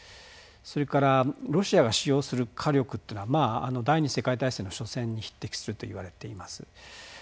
それからロシアが使用する火力というのは第２次世界大戦の緒戦に匹敵するといわれています。